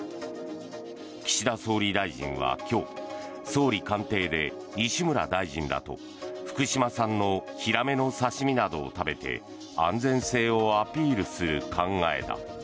岸田総理大臣は今日総理官邸で西村大臣らと福島産のヒラメの刺し身などを食べて安全性をアピールする考えだ。